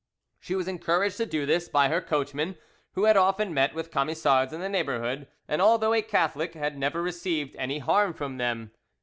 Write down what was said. She was encouraged to do this by her coachman, who had often met with Camisards in the neighbourhood, and although a Catholic, had never received any harm from them.